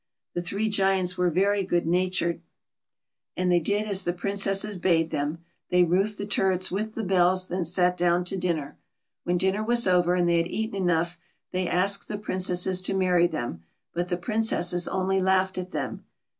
'" The three Giants were very good natured, and they 214 BATTY. did as the ]''rincesses bade tliem. They roofed the turrets with the bells, then sat down to dinner. When dinner was over, and they had eaten enough, they asked the Princesses to marry them ; but the Princesses only laughed at them.